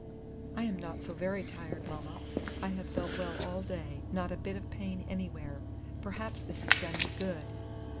"I am not so very tired, Mama. I have felt well all day; not a bit of pain anywhere. Perhaps this has done me good."